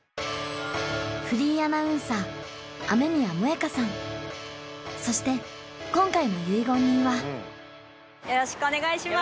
フリーアナウンサー雨宮萌果さんそして今回の結言人はよろしくお願いします